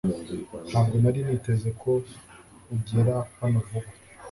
Ntabwo nari niteze ko ugera hano vuba